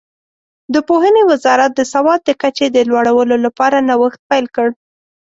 د پوهنې وزارت د سواد د کچې د لوړولو لپاره نوښت پیل کړ.